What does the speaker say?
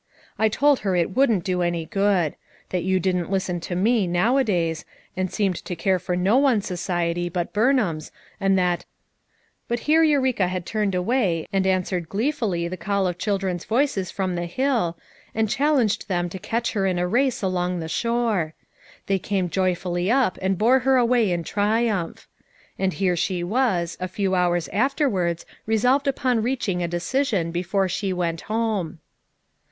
I told her it wouldn't do any good; that you didn't listen to me, nowadays, and seemed to care for no one's society hut Burnham's and that —" But here Eureka had turned away and an swered gleefully the call of children's voices from the hill, and challenged them to catch her in a race along the shore. They came joyfully up and bore her away in triumph. And here she was, a few hours afterwards resolved upon reaching a decision before she went home.